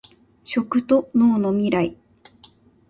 食と農のミライ